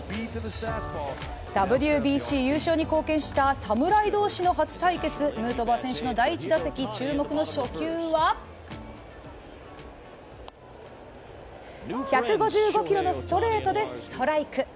ＷＢＣ優勝に貢献した侍同士の初対決、ヌートバー選手の第１打席注目の初球は１５５キロのストレートでストライク。